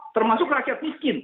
termasuk rakyat miskin